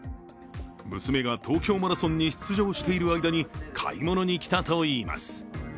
娘が東京マラソンに出場している間に買い物に来たといいます。